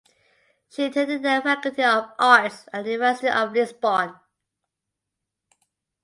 She attended the Faculty of Arts at the University of Lisbon.